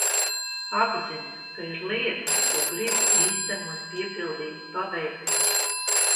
Apziņa, ka ir lietas, ko gribu īstenot, piepildīt, paveikt.